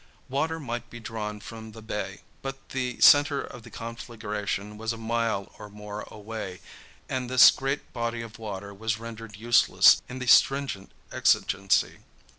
Water might be drawn from the bay, but the centre of the conflagration was a mile or more away, and this great body of water was rendered useless in the stringent exigency.